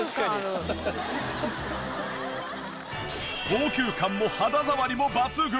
高級感も肌触りも抜群！